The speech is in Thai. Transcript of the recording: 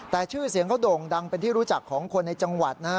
แต่ชื่อเสียงเขาโด่งดังเป็นที่รู้จักของคนในจังหวัดนะฮะ